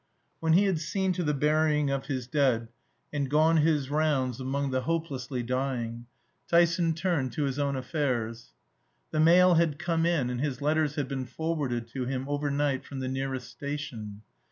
When he had seen to the burying of his dead, and gone his rounds among the hopelessly dying, Tyson turned to his own affairs. The mail had come in, and his letters had been forwarded to him overnight from the nearest station.